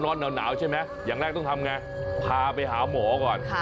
ร้อนหนาวใช่ไหมอย่างแรกต้องทำไงพาไปหาหมอก่อน